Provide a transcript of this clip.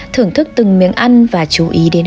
thưởng thức từng miếng ăn và chú ý đến